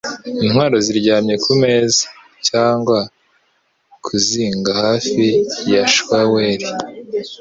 Intwaro ziryamye kumeza, cyangwa kuzinga hafi ya shaweli.